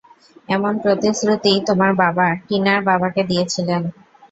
এমন প্রতিশ্রুতিই তোমার বাবা, টিনার বাবাকে দিয়েছিলেন।